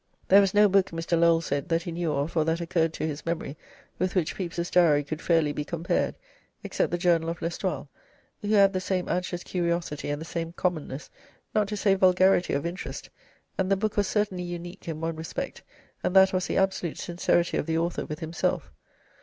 There was no book, Mr. Lowell said, that he knew of, or that occurred to his memory, with which Pepys's Diary could fairly be compared, except the journal of L'Estoile, who had the same anxious curiosity and the same commonness, not to say vulgarity of interest, and the book was certainly unique in one respect, and that was the absolute sincerity of the author with himself.